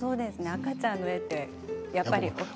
赤ちゃんの絵ってやっぱり。